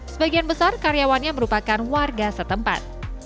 sebagian besar karyawannya merupakan warga setempat